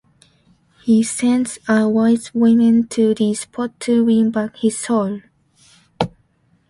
He sends a wise woman to the spot to win back his soul.